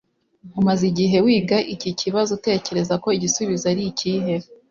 Umaze igihe wiga iki kibazo Utekereza ko igisubizo ari ikihe